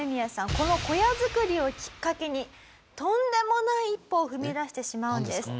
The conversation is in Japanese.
この小屋作りをきっかけにとんでもない一歩を踏み出してしまうんです。